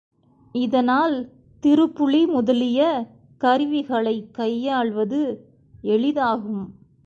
இதனால் திருப்புளி முதலிய கருவிகளைக் கையாள்வது எளிதாகும்.